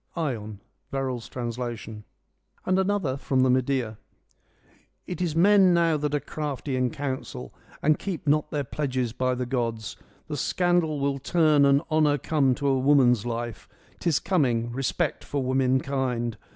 (Ion. Verrall's translation.) another from the Medea :' It is men now that are crafty in counsel, and keep not their pledges by the gods ; the scandal will turn and honour come to a woman's life. Tis coming — respect for womankind.